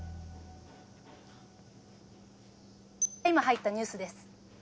「今入ったニュースです」